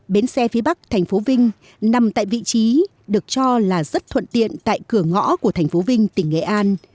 bến xe phía bắc thành phố vinh nằm tại vị trí được cho là rất thuận tiện tại cửa ngõ của thành phố vinh tỉnh nghệ an